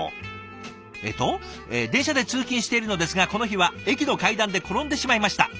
えっと「電車で通勤しているのですがこの日は駅の階段で転んでしまいました。